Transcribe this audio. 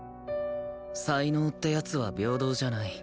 才能ってやつは平等じゃない